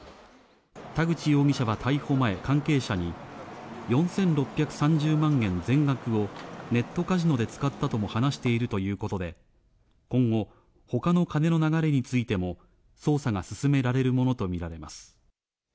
田口容疑者は逮捕前、関係者に、４６３０万円全額を、ネットカジノで使ったとも話しているということで、今後、ほかの金の流れについても捜査が進められるものと見られます。